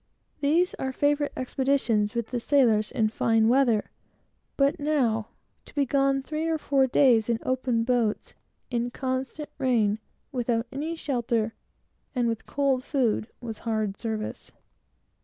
These are favorite expeditions with the sailors, in fine weather; but now to be gone three or four days, in open boats, in constant rain, without any shelter, and with cold food, was hard service.